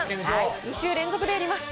２週連続でやります。